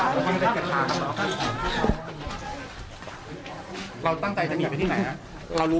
ถ้ารู้ว่าเขาบอกว่าอย่างไรให้เป็นผลอะไรครับ